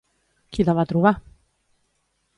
Qui la va trobar?